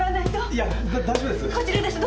いや大丈夫です。